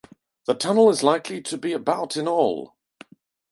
The tunnel is likely to be about in all.